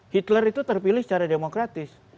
hitler itu terpilih secara demokratis